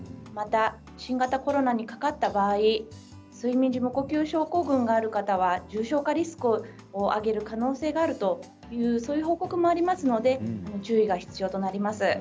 また、新型コロナにかかった場合睡眠時無呼吸症候群がある方は重症化リスクを上げる可能性があるというそういう報告もありますので注意が必要となります。